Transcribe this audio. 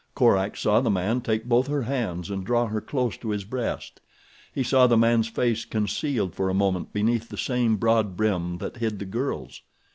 Korak saw the man take both her hands and draw her close to his breast. He saw the man's face concealed for a moment beneath the same broad brim that hid the girl's.